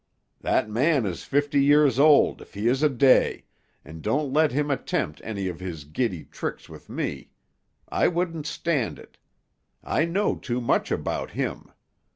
"That man is fifty years old if he is a day, and don't let him attempt any of his giddy tricks with me. I wouldn't stand it; I know too much about him.